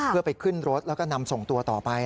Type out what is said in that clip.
เพื่อไปขึ้นรถแล้วก็นำส่งตัวต่อไป